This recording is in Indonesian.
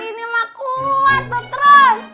ini emang kuat tuh terus